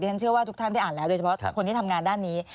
ฉันเชื่อว่าทุกท่านได้อ่านแล้วโดยเฉพาะคนที่ทำงานด้านนี้